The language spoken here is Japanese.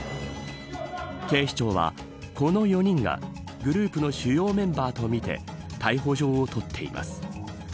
警視庁は、この４人がグループの主要メンバーとみて逮捕状を取っています。